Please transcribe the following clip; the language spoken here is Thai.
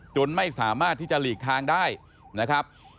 จนไม่สามารถที่จะหลีกทางได้นะครับ